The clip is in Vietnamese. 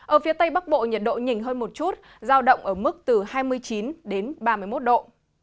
ở phía tây bắc bộ nhiệt độ nhìn hơn một chút giao động ở mức từ hai mươi chín đến ba mươi một độ